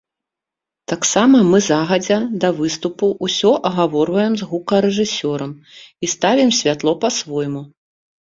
Таксама мы загадзя да выступу ўсё агаворваем з гукарэжысёрам і ставім святло па-свойму.